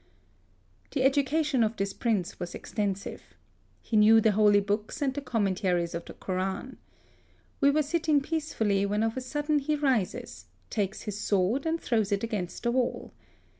THE SUEZ CANAL. 41 The education of this Prince was exten sive. He knew the Holy Books and the Commentaries of the Koran. We were sitting peacefully when of a sudden he rises, takes his sword and throws it against the wall.